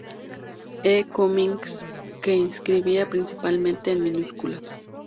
E. Cummings, que escribía principalmente en minúsculas.